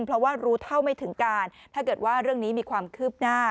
เพราะว่ารู้เท่าไม่ถึงการถ้าเกิดว่าเรื่องนี้มีความคืบหน้า